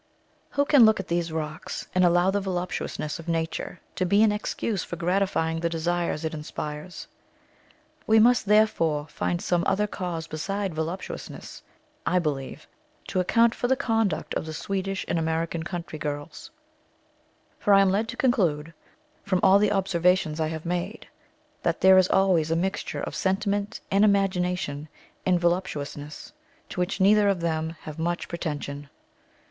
Who can look at these rocks, and allow the voluptuousness of nature to be an excuse for gratifying the desires it inspires? We must therefore, find some other cause beside voluptuousness, I believe, to account for the conduct of the Swedish and American country girls; for I am led to conclude, from all the observations I have made, that there is always a mixture of sentiment and imagination in voluptuousness, to which neither of them have much pretension.